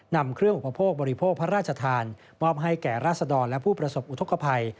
นำเครื่องอุปโภคบริโภคพระราชทานมอบให้แก่ราศดรและผู้ประสบอุทธกภัย